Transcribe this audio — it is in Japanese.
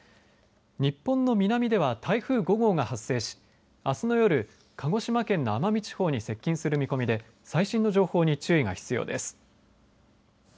日本の南では、台風５号が発生しあすの夜、鹿児島県の奄美地方に接近する見込みで最新の情報に注意が必要です。